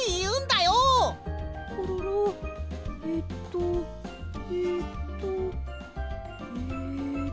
コロロえっとえっとえっと。